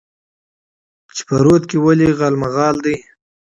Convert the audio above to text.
چې په رود کې ولې غالمغال دى؟